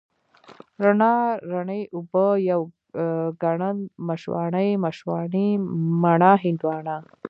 رڼا، رڼې اوبه، يو ګڼل، مشواڼۍ، مشواڼې، مڼه، هندواڼه،